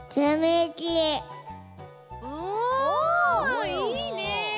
おいいね。